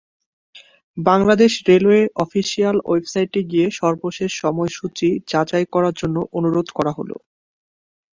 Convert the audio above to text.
বাংলাদেশ রেলওয়ের অফিসিয়াল ওয়েবসাইটে গিয়ে সর্বশেষ সময়সূচী যাচাই করার জন্য অনুরোধ করা হলো।